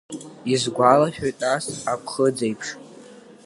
Исгәалашәоит, нас аԥхыӡеиԥш…